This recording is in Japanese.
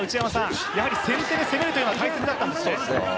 やはり先手で攻めるのが大切だったんですね。